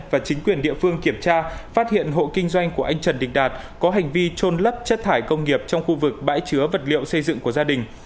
và chính quyền địa phương kiểm tra phát hiện hộ kinh doanh của anh trần đình đạt có hành vi trôn lấp chất thải công nghiệp trong khu vực bãi chứa vật liệu xây dựng của gia đình